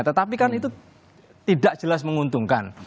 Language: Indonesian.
tetapi kan itu tidak jelas menguntungkan